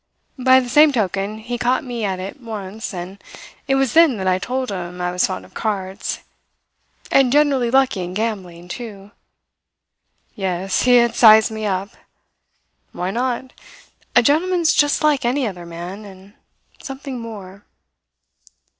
By the same token he caught me at it once, and it was then that I told him I was fond of cards and generally lucky in gambling, too. Yes, he had sized me up. Why not? A gentleman's just like any other man and something more."